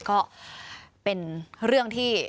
ก็เป็นเรื่องที่